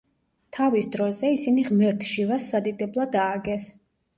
თავის დროზე, ისინი ღმერთ შივას სადიდებლად ააგეს.